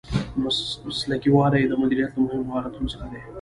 مسلکي والی د مدیریت له مهمو مهارتونو څخه دی.